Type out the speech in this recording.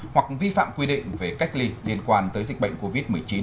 hoặc vi phạm quy định về cách ly liên quan tới dịch bệnh covid một mươi chín